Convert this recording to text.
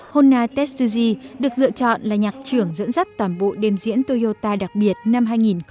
hona tetsuji được lựa chọn là nhạc trưởng dẫn dắt toàn bộ đêm diễn toyota đặc biệt năm hai nghìn một mươi